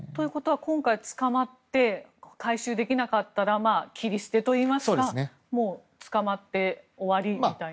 今回、捕まって回収できなかったら切り捨てというかもう捕まって終わりみたいな。